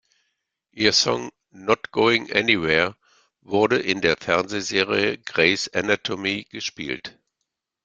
Ihr Song "Not Going Anywhere" wurde in der Fernsehserie Grey’s Anatomy gespielt.